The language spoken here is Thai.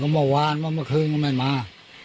เมื่อวานว่าเมื่อคืนก็ไม่มา